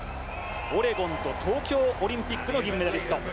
オレゴンと東京オリンピックの銀メダリスト。